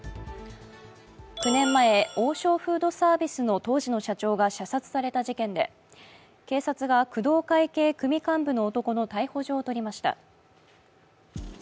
９年前、王将フードサービスの当時の社長が射殺された事件で、警察が工藤会系組幹部の男の逮捕状を取りました。